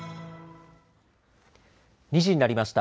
２時になりました。